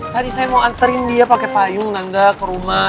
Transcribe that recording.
tadi saya mau antarin dia pakai payung nangga ke rumah